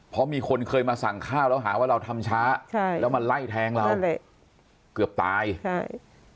เพราะมีคนเคยมาสั่งข้าวแล้วหาว่าเราทำช้าใช่แล้วมาไล่แทงเราเกือบตายใช่